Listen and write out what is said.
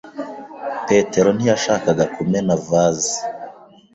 Petero ntiyashakaga kumena vase.